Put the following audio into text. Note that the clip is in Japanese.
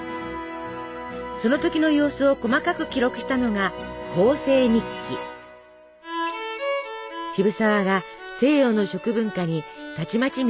その時の様子を細かく記録したのが渋沢が西洋の食文化にたちまち魅了されていく様が分かります。